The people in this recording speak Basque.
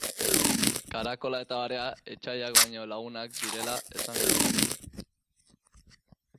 Karakola eta barea etsaiak baino lagunak direla esan genezake.